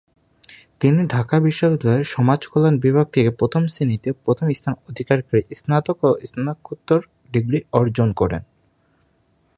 তিনি ঢাকা বিশ্ববিদ্যালয়ের সমাজকল্যাণ বিভাগ থেকে প্রথম শ্রেণীতে প্রথম স্থান অধিকার করে স্নাতক ও স্নাতকোত্তর ডিগ্রি অর্জন করেন।